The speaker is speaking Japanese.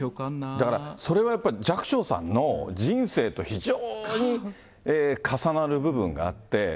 だからそれはやっぱり寂聴さんの人生と非常に重なる部分があって。